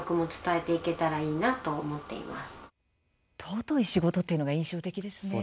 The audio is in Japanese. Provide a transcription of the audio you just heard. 「尊い仕事」っていうのが印象的ですね。